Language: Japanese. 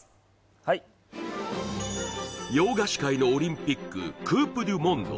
はい洋菓子界のオリンピック「クープ・デュ・モンド」